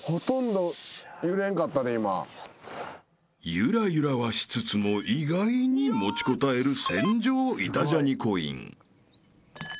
［ゆらゆらはしつつも意外に持ちこたえる船上『イタ×ジャニ』コイン］